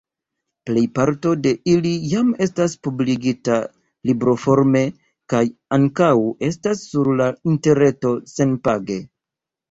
Plejparto de ili jam estas publikigita libroforme kaj ankaŭ estas sur la interreto senpage.